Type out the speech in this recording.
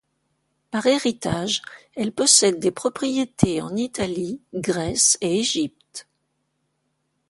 Par héritage, elle possède des propriétés en Italie, Grèce et Égypte.